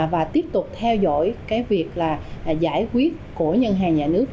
và tiếp tục theo dõi cái việc là giải quyết của ngân hàng nhà nước